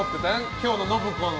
今日の信子の。